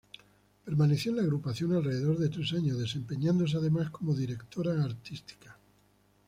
Permaneció en la agrupación alrededor de tres años, desempeñándose además como directora artística.